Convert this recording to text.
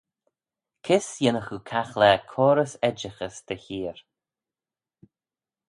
Kys yinnagh oo caghlaa coarys edjaghys dty heer?